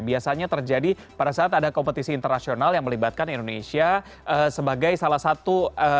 biasanya terjadi pada saat ada kompetisi internasional yang melibatkan indonesia sebagai salah satu